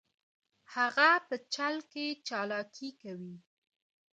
هغه په چل کې چلاکي کوي